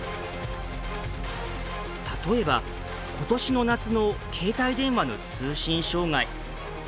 例えば今年の夏の携帯電話の通信障害。